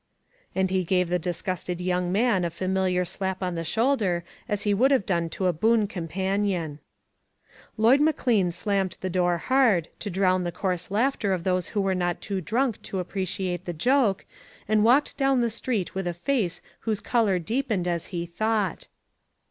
And he gave the disgusted young man a familiar slap on the shoulder as he would have done to a boon companion. Lloyd McLean slammed the door hard, to drown the coarse laughter of those who were not too drunk to appreciate the joke, and walked down the street with a face whose color deepened as he thought.